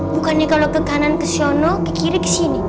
bukannya kalau ke kanan ke sana ke kiri ke sini